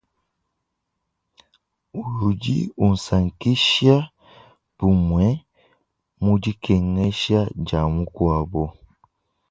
Udi usankisha, bumue mu dikengesha dia mukuabu.